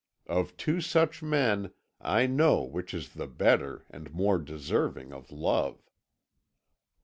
Of two such men I know which is the better and more deserving of love.